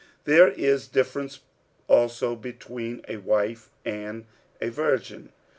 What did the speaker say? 46:007:034 There is difference also between a wife and a virgin.